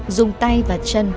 dùng tay và chân